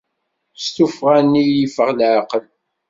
Si tuffɣa nni i iyi-iffeɣ leɛqel.